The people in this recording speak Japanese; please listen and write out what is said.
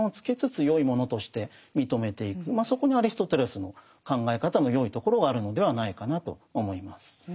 そこにアリストテレスの考え方のよいところがあるのではないかなと思います。